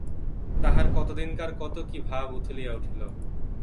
তাহার কত দিনকার কত কী ভাব উথলিয়া উঠিল।